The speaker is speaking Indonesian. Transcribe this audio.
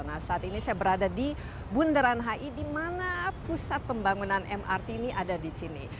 nah saat ini saya berada di bundaran hi di mana pusat pembangunan mrt ini ada di sini